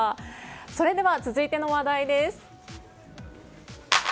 それでは続いての話題です。